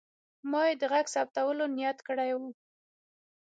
ما یې د غږ ثبتولو نیت کړی و.